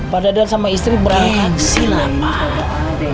pak dadan sama istri berangkat silapah